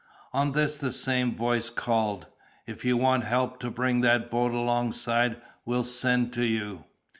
On this the same voice called, "If you want help to bring that boat alongside, we'll send to you."